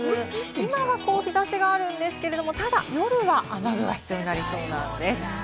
今は日差しがあるんですけれども、ただ夜は雨具が必要になりそうなんです。